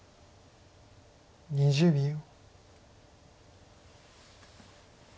２０秒。